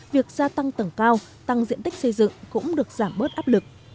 việc gia tăng tầng cao tăng diện tích xây dựng cũng được giảm bớt áp lực